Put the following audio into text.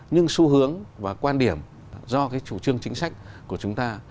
nhưng xu hướng và quan điểm do cái chủ trương chính sách của chúng ta